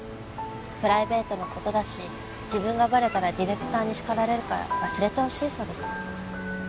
プライベートな事だし自分がバレたらディレクターに叱られるから忘れてほしいそうです。